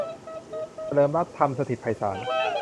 เฉลิมรัตน์ ธรรมสถิตไพศาล